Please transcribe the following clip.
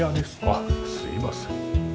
あっすいません。